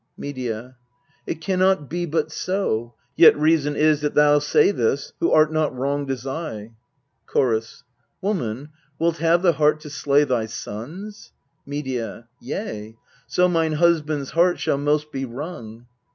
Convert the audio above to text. Medea. It can not be but so : yet reason is That thou say this, who art not wronged as I. Chorus. Woman, wilt have the heart to slay thy sons? Medea. Yea : so mine husband's heart shall most be wrung.